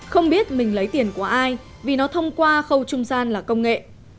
không biết mình lấy tiền của ai vì nó thông qua khâu trung gian là công nghệ